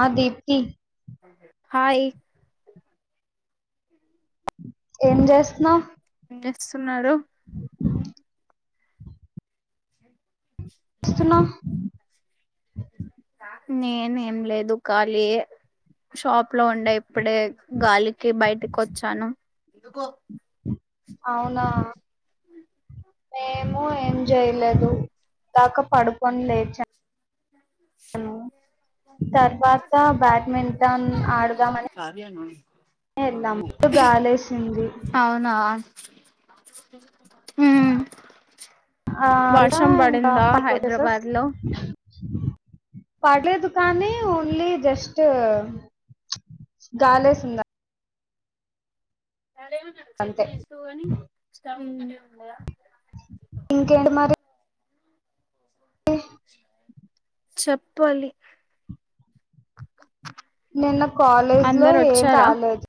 ఆ దీప్తి హాయ్ ఏం జేస్తున్నావ్ ఏం జేస్తున్నారు స్తున్నా నేనేం లేదు ఖాళీయే షాప్ లో ఉండే ఇ ప్పుడే గాలికి బయటికొచ్చాను అవునా మేమూ ఏం జేయ్లేదు దాకా పడుకొన్ లేచ స తర్వాతా బ్యాట్మింటన్ ఆడుదామని వెల్లాం [unintelligible] గాలేషింది అవునా ఉమ్ ఆ అదా వర్షం ఇంకా పడిందా పకోడా సార్ హైదరాబాద్ లో పడలేదు కానీ ఓన్లీ జస్ట్ జస్ట్ గాలేసిందా అంతే ఉమ్ ఇంకేంటి మరి చెప్పాలి నిన్న కాలేజ్ లో అందరు ఏం వచ్చారా కాలేదు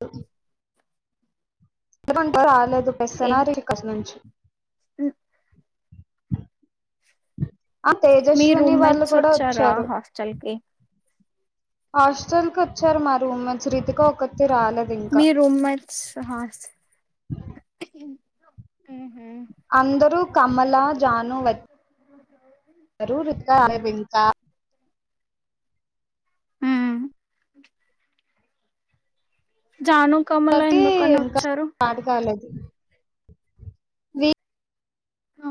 అ ఏం అంటా రాలేదు పెస్న ర కస నుంచి ఉ ఆ మీ తేజస్విని వాళ్ళు రూమ్మేట్స్ కూడా వచ్చారా వచ్చారు హాస్టల్ కి హాస్టల్ కు వచ్చారు మా రూమ్మెంట్స్ రితిక ఒక మీ రూమ్మేట్స్ హాస్టల్ అందరూ కమల జాను వచ్చారు రితిక ఇంకా [unintelligible] అరే వింకా హు కమల నకి ఎందుకని ఇంకా వచ్చారు స్టార్ట్ కాలేదు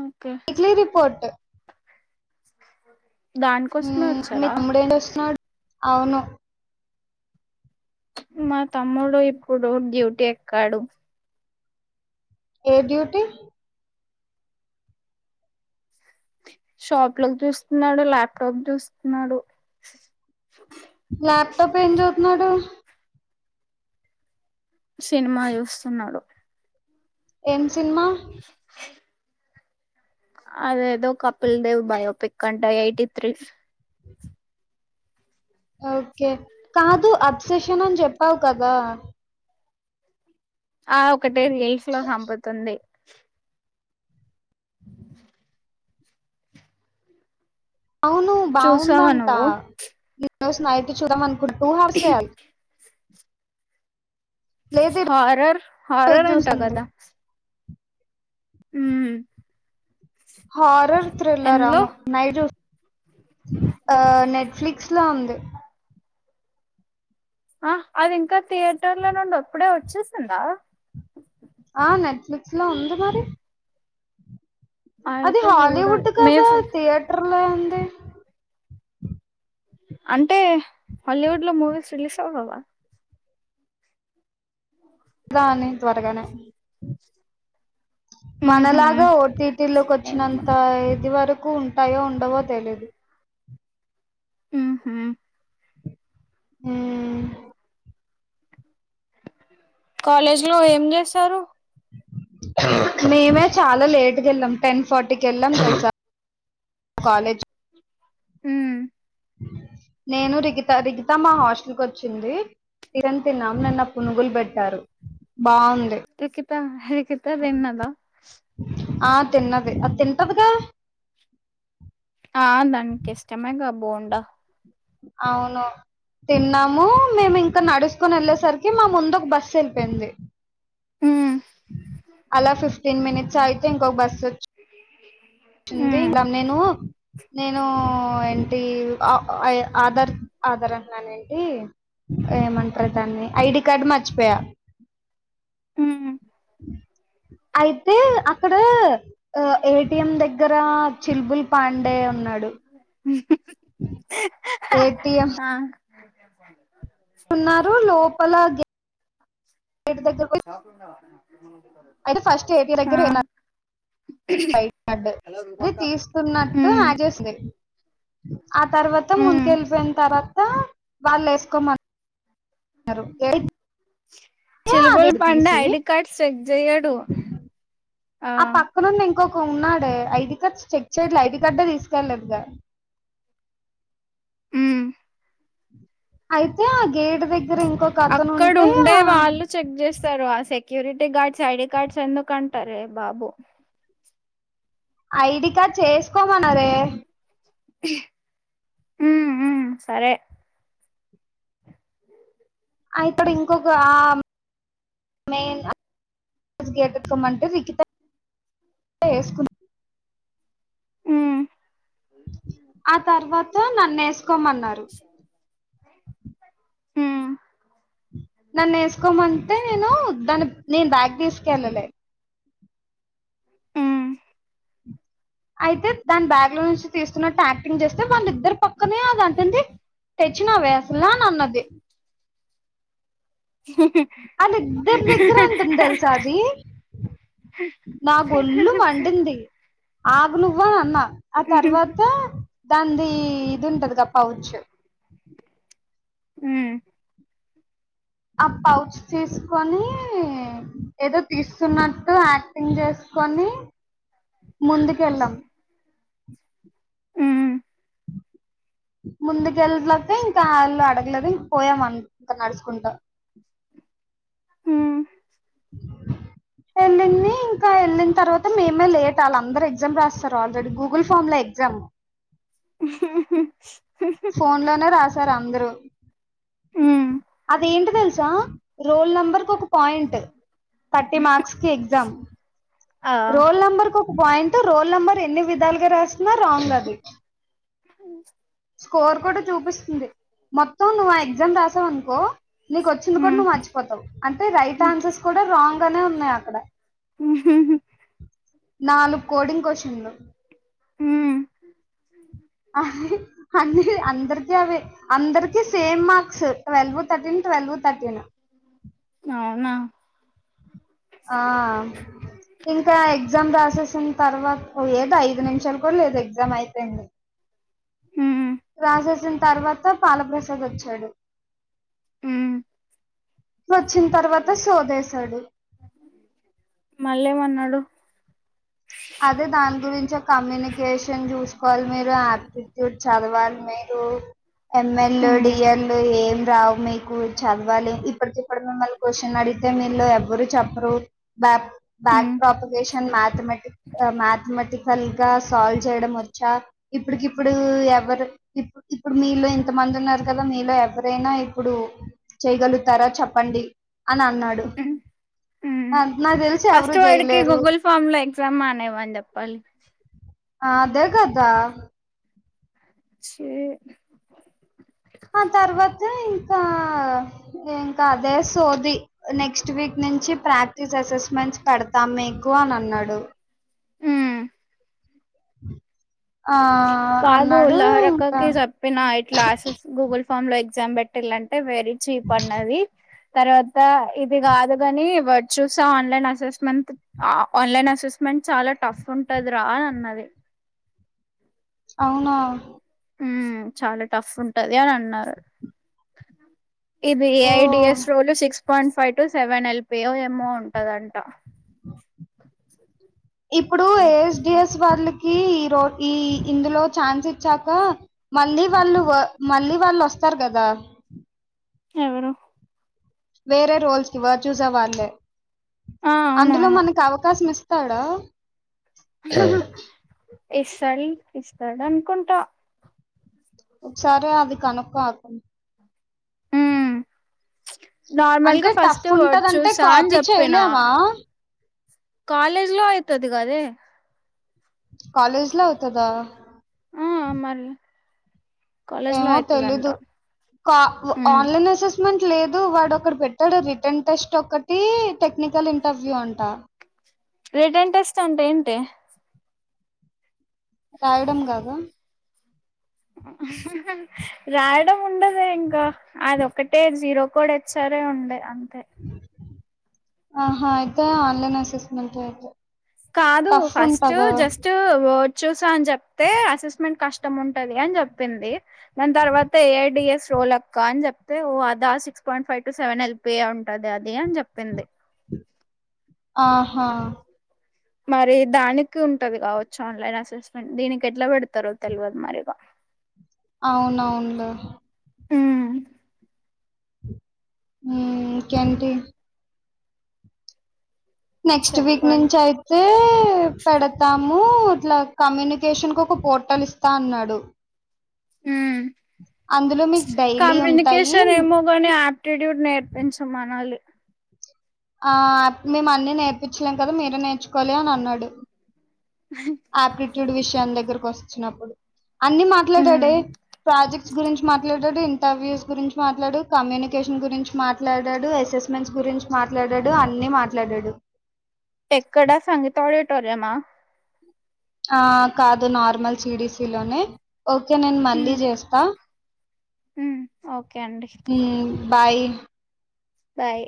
ఓకే విక్లీ రిపోర్ట్ మీ దానికోసమే మీ వచ్చారా తమ్ముడు చేస్తున్నాడు అవును మా తమ్ముడు ఇప్పుడు డ్యూటీ ఎక్కాడు ఏ డ్యూటీ షాప్ లోకి చూస్తున్నాడు లాప్టాప్ చూస్తున్నాడు ల్యాప్టాప్ ఏం చూస్తున్నాడు సినిమా చూస్తున్నాడు ఏం సినిమా అద ఏదో కపిల్ దేవ్ బయోపిక్ అంట ఎయిటీ త్రి ఓకే కాదు అప్సెషన్ అని చెప్పావు కదా ఆ ఒకటే రీల్స్ లో చంపుతుంది ఆ అవును చూసావా బాగుందంట నువ్వు ఈ రోజు నైట్ చూద్దాం అనుకుంటూ టూ అవర్సే లేదు హారర్ ఈరోజు హారర్ అంటా చూస్తుంది కదా హు హారర్ థ్రిల్లర్ అను నైట్ ఆ నెట్ఫిలిక్స్లో లో ఉంది ఆ అది ఇంకా థియేటర్ల నుండి అప్పుడే వచ్చేసిందా ఆ నెట్ఫ్లిక్స్ లో ఉంది మరి అది అయితే చూడాలి హాలీవుడ్ మే కదా ఫిఫ్ థియేటర్ లో ఉంది అంటే హాలీవుడ్ లో మూవీస్ రిలీజ్ అవ్వవా రా అని త్వరగానే ఉహు మనలాగా ఓటీటీ లోకి ఏమో వచ్చినంత మరి ఇది వరకు ఉంటాయో ఏమో తెలియదు ఉమ్ హూ ఉమ్ కాలేజీ లో ఏం చేస్తారు మేమే చాలా లేటుగా వెళ్ళాం టెన్ ఫార్టీకి వెళ్ళాం తెలుసా కాలేజ హ నేను రిగిత రిగితా మా హాస్టల్ కు వచ్చింది తిరన్ తిన్నాం నీన్న పునుగులు పెట్టారు బాగుంది రకిత రకిత టిన్నదా ఆ తిన్నది ఆ తింటదిగా హా దానికి ఇష్టమేగా బోండా అవును తిన్నాము మేము ఇంకా నడుచకొని వెళ్ళేసరికి మా ముందు ఒక బస్సు వెళ్ళిపోయింది ఉమ్ అలా ఫిఫ్టీన్ మినిట్స్ ఆగితే ఇంకొక బస్ వచ్చి వచ్చింది ఉమ్ ఇం నేను నేను ఏంటి ఆధార్ ఆధార్ అంటన్నాను ఏంటి ఏమంటారు దాన్ని ఐడి కార్డు మర్చిపోయా ఉమ్ అయితే అక్కడ ఏటిఎం దగ్గర దగ్గర చిల్బుల్ పాండే ఉన్నాడు ఏటిఎం ఆ ఉన్నారు లోపల గేట్ దగ్గర పోయి అయితే ఆ బై అది తీస్తున్నట్టు ఉమ్ ఆచేసింది ఆ తర్వాత ఉమ్ ముందుక వెళ్ళిపోయిన తర్వాత వాళ్ళు వేసుకోమని ఎయి చిలుబల్ పండే ఐడి కార్డ్స్ చెక్ చెయ్యడు ఆ పక్కను ఉన్నం ఇంకొక ఉన్నాడు ఐడి కార్డ్ చెక్ చెయ్యాలి ఐడి కార్డు తీసుకెళ్లేదుగా ఉమ్ అయితే గేట్ దగ్గర ఇంకొక అతను అక్కడ ఉంటే ఉండే ఆ వాళ్ళు చెక్ చేస్తారు ఆ సె సెక్యూరిటీ గార్డ్స్ ఐడి కార్డ్స్ ఎందుకంటారే బాబు ఐడి కార్డ్ వేసుకోమనరే హు హు సరే ఇతడు ఇంకొక ఆ మయిన్ గట్కమంట రఖిత వేసుకున్నా హు ఆ తర్వాత నన్న ఉమ్ నన్ను వేసుకోమంటే నేను దాని నేను బ్యాగ్ తీసుకెళ్ళలేదు ఉమ్ అయితే దాని బ్యాగ్ లో నుంచి తీసుకున్నట్టు యాక్టింగ్ చేస్తే వాళ్ళిద్దరు పక్కనే అద అంటంది తెచ్చినవే అసలు అని అన్నది వాళ్లిద్దరి దగ్గర అంటుంది తెలుస అది నా ఓల్లుు మండింది ఆగు నువ్వు అని అన్నా అన్నా ఆ తర్వాత దానిధి ఇది ఉంటది గా పౌచ్ ఊ ఆ పౌచ్ తీసుకొని ఏదో తీస్తున్నట్టు యాక్టింగ్ చేస్ కని ముందుకు వెళ్ళాం ముందుకెళ్ళలక ఇంకా వాళ్ళు అడగలేదు ఇం పోయామ ఇంకా నడుచుకుంటా అ ఊ వెళ్ళింది ఇంకా వెళ్ళిన తర్వాత తె మేమే లేట్ వాళ్ళ అందరు ఎగ్జామ్ రాస్తారు ఆల్రెడీ గూగుల్ ఫామ్ ల ఎగ్జామ్ ఉహు ఫోన్ లోనే రాసారు అందరు ఉమ్ అదేంటి తెలుసా రోల్ నెంబర్కు ఒక పాయింట్ థర్టీ మార్క్స్ కి ఎగ్జమ్ ఆ రోల్ నంబర్ కు పాయింట్ రోల్ నెంబర్ ఎన్ని విధాలుగా రాసిన రాంగ్ అది హు స్కోర్ కూడా చూపిస్తుంది మొత్తం నువ్వు ఆ ఎగ్జామ్ రాసావనుకో నీకు వచ్చింది కూడా నువ్వు మర్చిపోతావు అంటే రైట్ ఆన్సర్స్ కూడా రాంగ్ అనే ఉన్నాయి అక్కడ నాలుగు కోడింగ్ క్వశ్చన్ లు ఊ అన్ అందరికి అవే అందరికి same marks twelve thirteen twelve thirteen అవునా ఆ ఇంకా ఎగ్జామ్ రాసేసిన తర్వాత ఏదో ఐదు నిమిషాలు కూడా లేదు ఎగ్జామ్ అయిపోయింది రాసేసిన తర్వాత పాలప్రసాద్ వచ్చాడు అ వచ్చిన తర్వాత సోదేశాడు మళ్ళేమన్నాడు అదే దాని గురించి కమ్యూనికేషన్ చూసుకోవాలి మీరు ఆయాప్టిట్యూడ్ చదవాలి మీరు ఎంఎల్ ఉ డిఎల్లు ఏం రావు మీకు చదవాలి ఇప్పటికిప్పుడు మిమ్మల్ని క్వశ్చన్ అడిగితే మీలో ఎవరు చెప్పరు బా బ్యాక్ ప్రాపగేషన్ మాథమెటిక్ మ్యాథమెటికల్ గా సాల్వ్ చేయడం వచ్చా ఇప్పుడుకిప్పుడు ఎవరు ఇప్ ఇప్పుడు మీ మీలో ఇంత మంది ఉన్నారు కదా మీలో ఎవరైనా ఇప్పుడు చేయగలుగుతారో చెప్పండి అని అన్నాడు నాకు తెలిసి ఎవరు చేయలేరు నేవందప్పలి ఆదే కదా చీ ఆ తర్వాత ఇంకా ఇంకా అదే సోది నెక్స్ట్ వీక్ నుంచి ప్రాక్టీస్ అసెస్మెంట్స్ పెడతాం మీకు కు అని అన్నాడు బ కాదు ఇంకా లాహరక్కకి చెప్పిన ఇట్లా assess Google form like exam పెటిలంటే వెరీ చీప్ అన్నది తర్వాత ఇది కాదు కాని వడ్ చూసా ఆన్లైన్ అసెస్మెంట్ ఆన్లైన్ అసెస్మెంట్ చాలా టఫ్ ఉంటది రా అని అన్నది అవునా ఊ చాలా టఫ్ ఉంటది అని అన్నరు ఇది ఓ I D S role six point five to seven LP ఓ ఏమో ఉంటదంట ఇప్పుడు ఏఎస్డిఎస్ వాళ్ళకి రో ఈ ఇందులో ఛాన్స్ ఇచ్చాక మళ్ళీ వాళ్ళు మళ్ళీ వాళ్ళు వస్తారు కదా ఎవరు వేరే రోల్స్కి ఇవ్వరు చూసే వాళ్ళే ఆ అందులో అవునవును మనకి అవకాశం ఇస్ తాడ ఊ ఇస్తాడు ఇస్తాడు అనుకుంటా ఒకసారి అది కనుక్కో అక్ ఉమ్ నార్మల్ అంటే గా ఫస్ట్ టఫ్ ఒకటి ఉంటదంటే చుసా అని కాపీ చెప్పిన చేయలేమా కాలేజ్ లో అయితది కదే కాలేజీలో అయితాదా ఆ మళ్ళీ ఏమో తెలీదు కా వ ఉమ్ ఆన్లైన్ లెస్సెస్ మనకి లేదు వాడు ఒకడు పెట్టాడు రిటర్న్ టెస్ట్ ఒకటి టెక్నికల్ ఇంటర్వ్యూ అంటా రిటర్న్ టెస్ట్ అంటే ఏంటే రాయడం గాదా రాయడం ఉండదే ఇంకా అదొక్కటే జీరో కోడ్ ఎ సరే ఉండే అంతే ఆహా అయితే ఆన్లైన్ అసిస్మెంటైతే కాదు ఫస్ట్ జస్ట్ వర్డ్ చూసా అనీ చెప్తే అసిస్మెంట్ కాష్ టాముంటది అని చెప్పింది దాని తరువాత ఏఐడిఎస్ రోల్ అక్క అని చెప్తే ఓ అదా six point five to seven LPA ఉంటది ఆది అని చెప్పింది ఆహా మరి దానికి ఉంటది కావచ్చు ఆన్లైన్ అసిస్మెంట్ దీనికి ఎట్లా పెడతారో తెల్వదు మరి ఇగ అవును అవునులే ఊ మీ కేంటి నెక్స్ట్ వీక్ చెప్పాలి నుంచి అయితే పెడతాము ఇట్లా కమ్యూనికేషన్కు ఒక పోర్టల్ ఇస్తా అన్నాడు ఉమ్, అందులో మీకు డైలీ ఉంటాయి కమ్యూనికేషన్ ఏమో గాని ఆప్టిట్యూడ్ నేర్పించ మనాలి ఆప్ మీమ్ అన్నీ నేర్పించలేం కదా మీరే నేర్చుకోవాలి అనీ అన్నాడు ఆప్టిట్యూడ్ విషయం దగ్గరకు వచ్చినప్పుడు అన్ని ఉమ్, మాట్లాడాడే ప్రాజెక్ గురించి మాట్లాడడు ఇంటర్వ్యూస్ గురించి మాట్లాడాడు కమ్యూనికేషన్ గురించి మాట్లాడాడు అసెస్మెంట్స్ గురించి మాట్లాడడు అన్ని మాట్లాడడు ఎక్కడ సంగీత ఆడిటోర్యమా ఆ కాదు నార్మల్ సిడిసి లోనే ఒకే నేను మళ్ళీ ఉమ్, చేస్తా ఉమ్, ఓకే అండి ఉ బాయి బాయ్